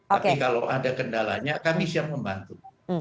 tapi kalau ada kendalanya kami siap membantu